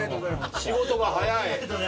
仕事が早い！